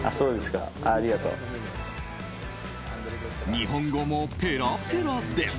日本語もペラペラです。